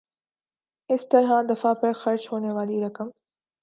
اس طرح دفاع پر خرچ ہونے والی رقم